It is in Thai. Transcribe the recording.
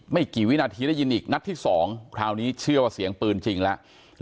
ไม่กี่วินาทีได้ยินอีกนัดที่๒คราวนี้เชื่อว่าเสียงปืนจริงแล้ว